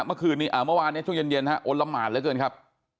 เมื่อวานในช่วงเย็นโอนละหมานแล้วเกินครับ